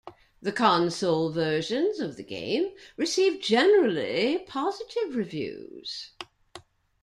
The console versions of the game received generally positive reviews.